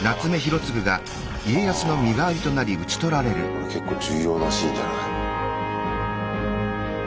これ結構重要なシーンじゃない？